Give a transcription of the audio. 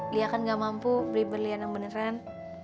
lia kan gak mampu beli berlian yang beneran